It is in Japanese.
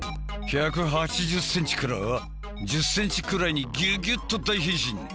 １８０ｃｍから１０ｃｍくらいにギュギュッと大変身。